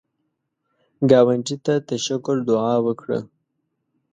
ګاونډي ته د شکر دعا وکړه